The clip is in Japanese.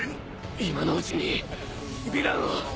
今のうちにヴィランを。